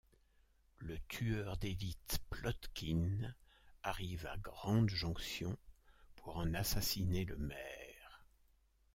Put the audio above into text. Le tueur d'élite Plotkine arrive à Grande Jonction pour en assassiner le maire.